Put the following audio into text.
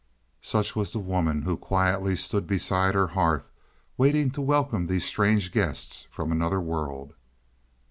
Such was the woman who quietly stood beside her hearth, waiting to welcome these strange guests from another world.